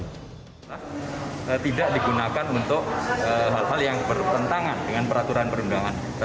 tidak digunakan untuk hal hal yang bertentangan dengan peraturan perundangan